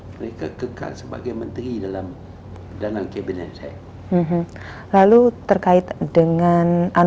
saya sendiri bagaimana menurut anda apa yang saya lakukan